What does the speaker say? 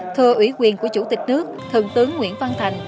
thưa ủy quyền của chủ tịch nước thượng tướng nguyễn văn thành